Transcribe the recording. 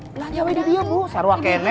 belanja aja di dia bu saru akennya